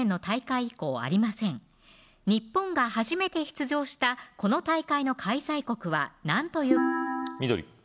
日本が初めて出場したこの大会の開催国は何という緑